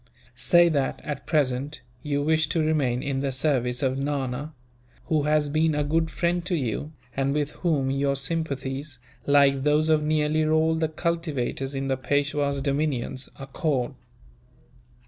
Say that, at present, you wish to remain in the service of Nana; who has been a good friend to you, and with whom your sympathies, like those of nearly all the cultivators in the Peishwa's dominions, accord.